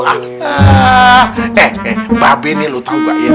eh mbak beng ini lo tau gak ya